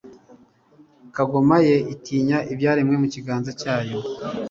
kagoma ye itinya ibyaremwe mukiganza cyayo